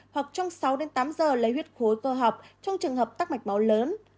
hoặc trong sáu đến tám giờ lấy huyết khối cơ học trong trường hợp tắc mạch máu lớn